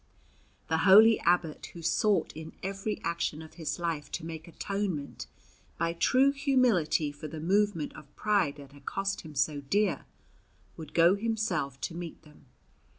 The holy abbot, who sought in every action of his life to make atonement by true humility for the movement of pride that had cost him so dear, would go himself to meet them.